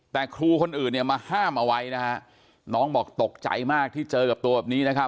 แต่ครูคนอื่นเนี่ยมาห้ามเอาไว้นะฮะน้องบอกตกใจมากที่เจอกับตัวแบบนี้นะครับ